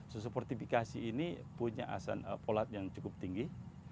susu portifikasi ini punya asam polat yang cukup tinggi